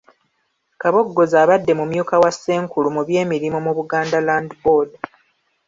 Kabogoza abadde mumyuka wa Ssenkulu mu by’emirimu mu Buganda Land Board.